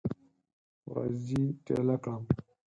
ورځې ټیله کړم